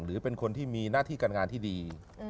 หรือเป็นคนที่มีหน้าที่การงานที่ดี